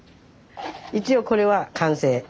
一応これは完成。